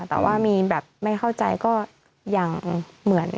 แต่ว่ามีแบบไม่เข้าใจก็ยังเหมือน